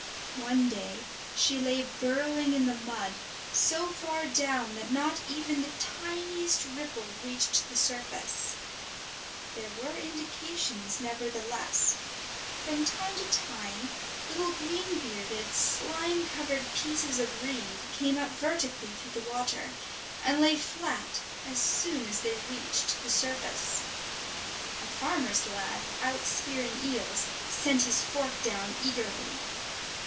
One day she lay burrowing in the mud, so far down that not even the tiniest ripple reached the surface. There were indications nevertheless. From time to time little green bearded, slime covered pieces of reed came up vertically through the water, and lay flat as soon as they reached the surface. A farmer's lad, out spearing eels, sent his fork down eagerly.